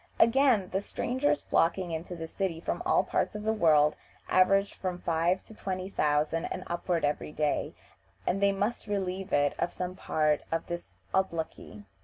Again, the strangers flocking into this city from all parts of the world average from five to twenty thousand and upward every day, and they must relieve it of some part of this obloquy.